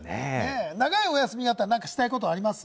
長いお休みがあったら、何かしたいことあります？